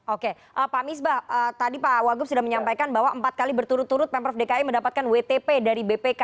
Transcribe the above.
oke pak misbah tadi pak wagub sudah menyampaikan bahwa empat kali berturut turut pemprov dki mendapatkan wtp dari bpk